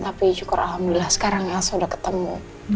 tapi syukur alhamdulillah sekarang elsa udah ketemu